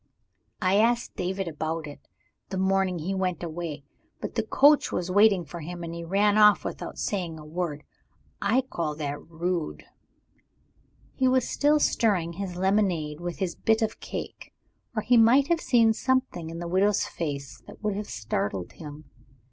I asked David about it, the morning he went away. But the coach was waiting for him; and he ran off without saying a word. I call that rude." He was still stirring his lemonade with his bit of cake or he might have seen something in the widow's face that would have startled him.